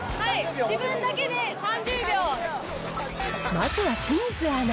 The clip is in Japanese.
まずは清水アナ。